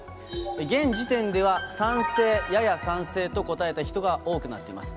現時点では、賛成、やや賛成と答えた人が多くなっています。